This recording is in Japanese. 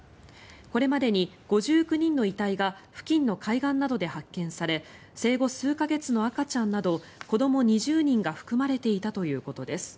これまでに５９人の遺体が付近の海岸などで発見され生後数か月の赤ちゃんなど子ども２０人が含まれていたということです。